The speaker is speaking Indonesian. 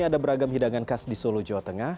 ada beragam hidangan khas di solo jawa tengah